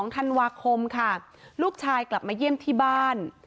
๒ธันวาคมค่ะลูกชายกลับมาเยี่ยมที่บ้าน